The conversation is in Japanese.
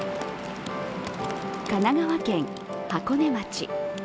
神奈川県箱根町。